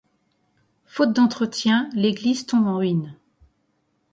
Faute d'entretien, l'église tombe en ruines.